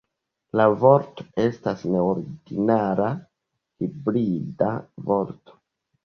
La vorto estas neordinara hibrida vorto.